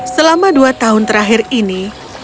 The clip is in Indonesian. selama dua tahun terakhir ini